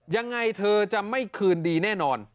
ยังไงเธอจะไม่คืนดีแน่นอน